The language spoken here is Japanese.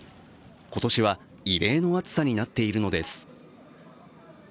今年は異例の暑さになっているのです。